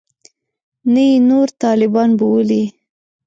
نه یې نور طالبان بولي.